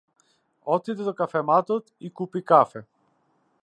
Отиде до кафематот и купи кафе.